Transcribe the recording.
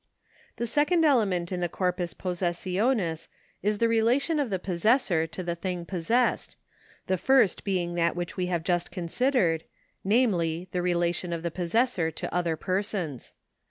The second element in the corpus possessionis is the relation of the possessor to the thing possessed, the first being that which we have just considered, namely, the relation of the possessor to other persons.